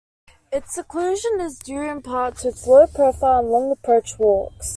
Its seclusion is due in part to its low profile and long approach walks.